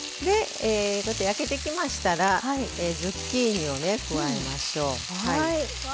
焼けてきましたらズッキーニを加えましょう。